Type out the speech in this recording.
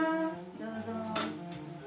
どうぞ。